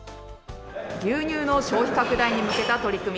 牛乳の消費拡大に向けた取り組み。